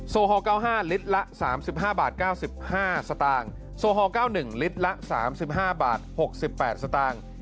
โอฮอล๙๕ลิตรละ๓๕บาท๙๕สตางค์โซฮอล๙๑ลิตรละ๓๕บาท๖๘สตางค์